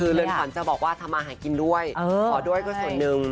คือเรือนขวัญจะบอกว่าทำมาหากินด้วยขอด้วยก็ส่วนหนึ่ง